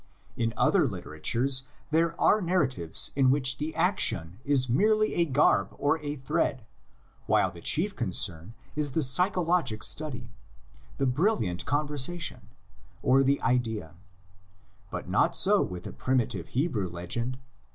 In other literatures there are nar ratives in which the action is merely a garb or a thread, while the chief concern is the psychologic study, the brilliant conversation, or the idea; but not so with the primitive Hebrew legend.